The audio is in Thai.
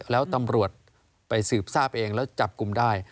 แล้วตำรวจไปสืบทราบเองแล้วจับกลุ่มได้